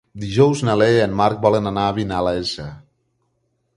Dijous na Lea i en Marc volen anar a Vinalesa.